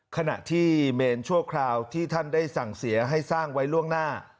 ขณะที่เมนชั่วคราวที่ท่านได้สั่งเสียให้สร้างไว้ล่วงหน้า